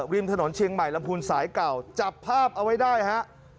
ริมถนนเชียงใหม่ลำพูนสายเก่าจับภาพเอาไว้ได้ฮะ